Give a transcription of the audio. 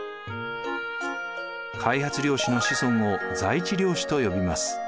開発領主の子孫を在地領主と呼びます。